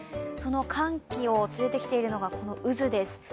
その寒気を連れてきているのがこの渦です。